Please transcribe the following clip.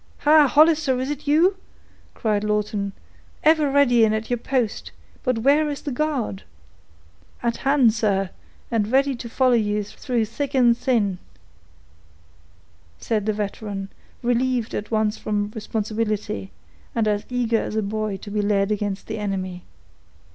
"Ha! Hollister, is it you?" cried Lawton, "ever ready and at your post; but where is the guard?" "At hand, sir, and ready to follow you through thick and thin," said the veteran, relieved at once from responsibility, and as eager as a boy to be led against his enemy.